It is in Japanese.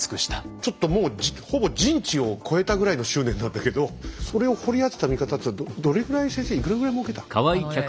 ちょっともうほぼ人知を超えたぐらいの執念なんだけどそれを掘り当てた味方っていうのはどれぐらい先生いくらぐらいもうけた？